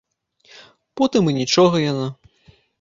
Потым і нічога яно.